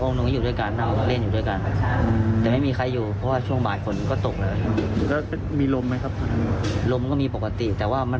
ก็น่าจะเป็นลมมันเลยเราพูดจังหวัดมันพอดีด้วย